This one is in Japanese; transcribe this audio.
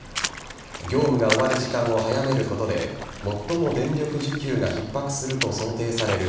業務が終わる時間を早めることで最も電力需給がひっ迫すると想定される